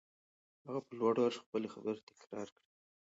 هغه په لوړ غږ خپلې خبرې تکرار کړې.